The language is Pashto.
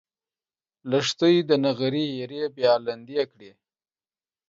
لښتې د نغري ایرې بیا لندې کړې.